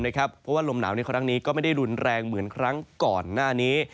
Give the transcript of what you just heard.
เพราะว่าลมหนาวในครั้งนี้ก็ไม่ได้รุนแรงเหมือนครั้งก่อนหน้านี้